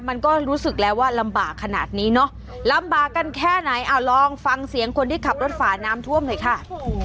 มันก็รู้สึกแล้วว่าลำบากขนาดนี้เนอะลำบากกันแค่ไหนเอาลองฟังเสียงคนที่ขับรถฝาน้ำท่วมหน่อยค่ะ